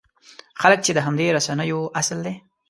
خلک چې د همدې رسنیو اصل دی.